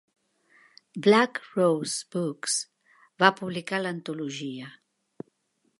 Black Rose Books va publicar l'antologia.